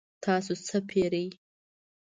تاسو څه پیرئ؟